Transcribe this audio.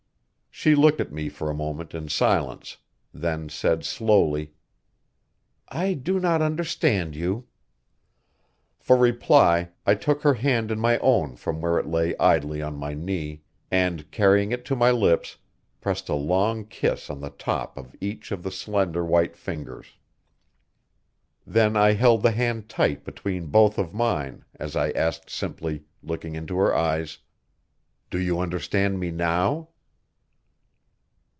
She looked at me for a moment in silence, then said slowly: "I do not understand you." For reply I took her hand in my own from where it lay idly on my knee, and, carrying it to my lips, pressed a long kiss on the top of each of the slender white fingers. Then I held the hand tight between both of mine as I asked simply, looking into her eyes: "Do you understand me now?"